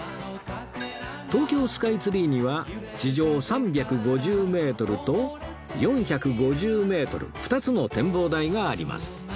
東京スカイツリーには地上３５０メートルと４５０メートル２つの展望台があります